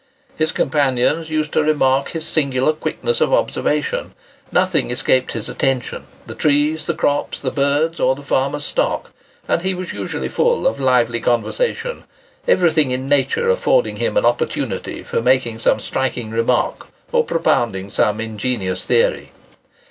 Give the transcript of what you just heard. His companions used to remark his singular quickness of observation. Nothing escaped his attention—the trees, the crops, the birds, or the farmer's stock; and he was usually full of lively conversation, everything in nature affording him an opportunity for making some striking remark, or propounding some ingenious theory.